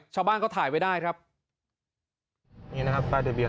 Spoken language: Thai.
ชาวบ้านก็ถ่ายไว้ได้ครับนี่นะครับป้ายทะเบีย